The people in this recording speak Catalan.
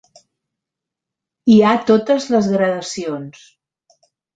Hi ha totes les gradacions.